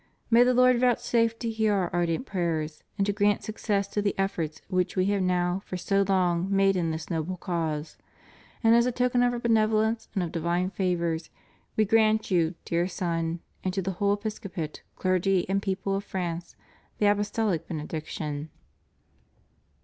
May the Lord vouchsafe to hear Our ardent prayers and to grant success to the efforts which We have now for so long made in this noble cause. And as a token of Our benevolence and of divine favors We grant you, dear Son, and to the whole episcopate, clergy, and people of France, the Apostolic Benediction.